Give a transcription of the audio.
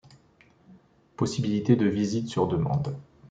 Possibilité de visites sur demande.